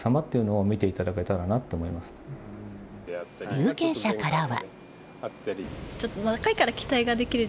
有権者からは。